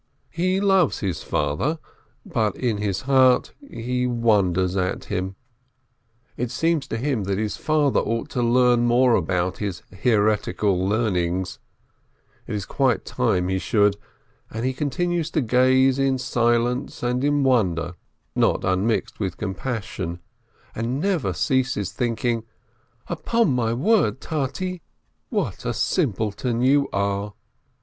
He loves his father, but in his heart he wonders at him; it seems to him 438 NAUMBERG his father ought to learn more about his heretical lean ings— it is quite time he should — and he continues to gaze in silence and in wonder, not unmixed with com passion, and never ceases thinking, "Upon my word, Tate, what a simpleton you are